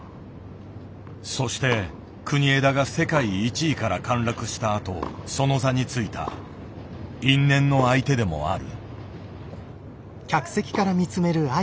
そして国枝が世界１位から陥落したあとその座についた因縁の相手でもある。